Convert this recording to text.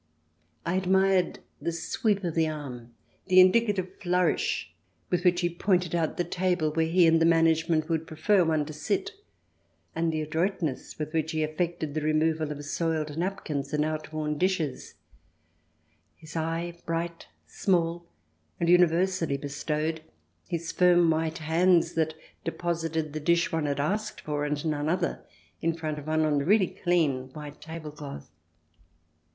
I admired the sweep of the arm, the indicative flourish with which he pointed out the "^table where he and the management would prefer one to sit, and the adroitness with which he effected the removal of soiled napkins and out worn dishes ; his eye, bright, small, and universally bestowed ; his firm white hands that deposited the dish one had asked for, and none other, in front of one, on the really clean white table cloth.